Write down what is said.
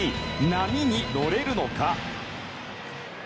波に乗れるのか？